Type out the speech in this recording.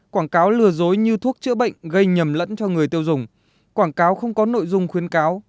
quảng cáo lừa dối như thuốc chữa bệnh gây nhầm lẫn cho người tiêu dùng quảng cáo không có nội dung khuyến cáo